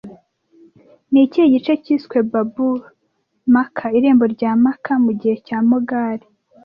Ni ikihe gice cyiswe Babul Makka (Irembo rya Makka) mugihe cya Mogali